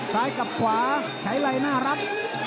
ซ้ายกับขวาใช้ไรน่ารัก